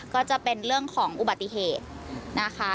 ก็จะเป็นเรื่องของอุบัติเหตุนะคะ